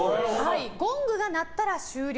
ゴングが鳴ったら終了。